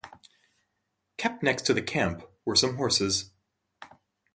Kept next to the camp were some horses.